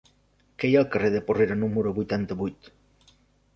Què hi ha al carrer de Porrera número vuitanta-vuit?